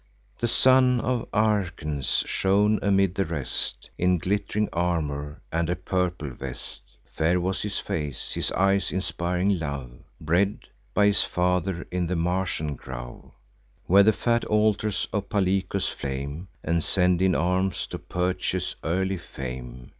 The son of Arcens shone amid the rest, In glitt'ring armour and a purple vest, (Fair was his face, his eyes inspiring love,) Bred by his father in the Martian grove, Where the fat altars of Palicus flame, And send in arms to purchase early fame.